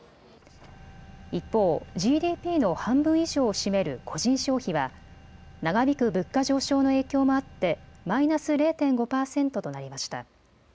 一方、ＧＤＰの半分以上を占める個人消費は長引く物価上昇の影響もあってマイナス０．５％となりました。